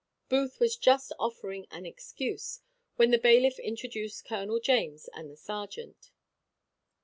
Booth was just offering at an excuse, when the bailiff introduced Colonel James and the serjeant.